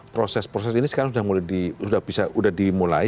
proses proses ini sekarang sudah dimulai